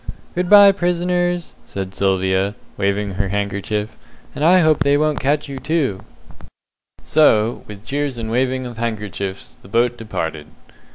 "Good bye, prisoners!" says Sylvia, waving her handkerchief; "and I hope they won't catch you, too." So, with cheers and waving of handkerchiefs, the boat departed.